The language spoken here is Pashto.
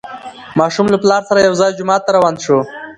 ماشوم له پلار سره یو ځای جومات ته روان شو